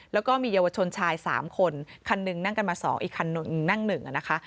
แล้วก็มีเยาวชนชาย๓คนคันหนึ่งนั่งกันมา๒อีกคันหนึ่งนั่งหนึ่งนะคะ